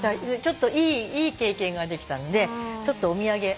いい経験ができたのでちょっとお土産。